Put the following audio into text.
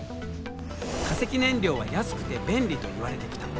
化石燃料は安くて便利といわれてきた。